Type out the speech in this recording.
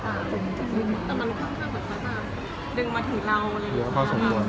ก็อย่างนี้เลยเมื่อเรื่องนี้เป็นเรื่องถูกต่าง